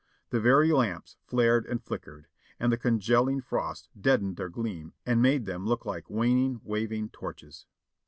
The very lamps flared and flickered, and the congealing frost deadened their gleam and made them look like waning, waving torches.